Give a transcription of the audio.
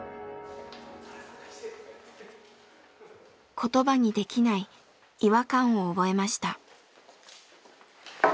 言葉にできない違和感を覚えました。